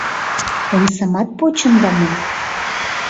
Омсамат почында мо?